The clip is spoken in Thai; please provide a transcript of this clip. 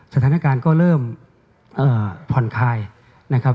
สถานการณ์ก็เริ่มผ่อนคลายนะครับ